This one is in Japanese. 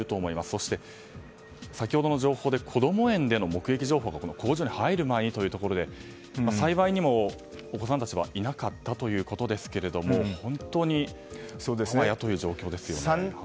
そして、先ほどの情報でこども園での目撃情報が工場に入るまでにということで幸いにも、お子さんたちはいなかったということですが本当にあわやという状況ですよね。